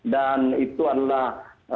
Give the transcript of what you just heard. dan itu adalah